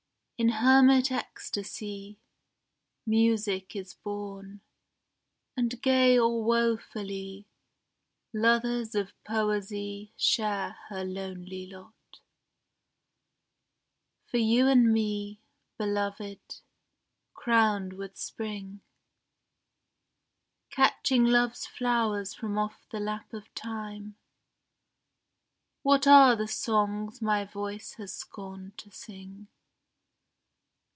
In hermit ecstasy Music is born, and gay or wofully Lovers of Poesy share her lonely lot. For you and me, Beloved, crowned with Spring, Catching Love's flowers from off the lap of Time, What are the songs my voice has scorned to sing?